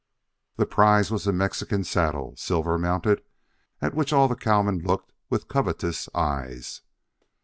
The prize was a Mexican saddle, silver mounted, at which all the cowmen looked with covetous eyes.